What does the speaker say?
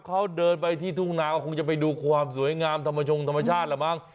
เขาเดินไปที่ทุ่งนาก็คงจะไปดูความสวยงามธรรมชงธรรมชาติแหละมั้ง